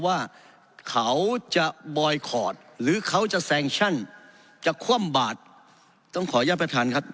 ว่าเขาจะหรือเขาจะจะคว่ำบาทต้องขอยอดประธานครับ